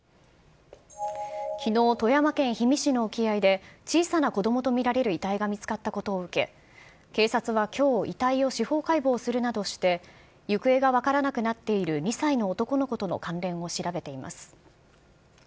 きのう、富山県氷見市の沖合で小さな子どもと見られる遺体が見つかったことを受け、警察はきょう、遺体を司法解剖するなどして、行方が分からなくなっている２歳の男の子との関連を調べています。